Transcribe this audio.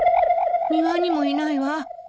庭にもいないわ。